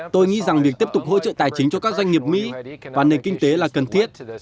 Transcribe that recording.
tôi nghĩ rằng việc tiếp tục hỗ trợ tài chính cho các doanh nghiệp mỹ và nền kinh tế là cần thiết